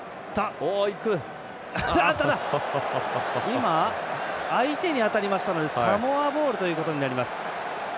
今相手に当たりましたのでサモアボールということになります。